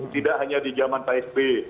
tidak hanya di zaman pak sb